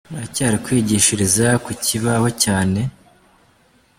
muracyari kwigishiriza ku kibaho cyane.